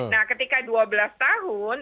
nah ketika dua belas tahun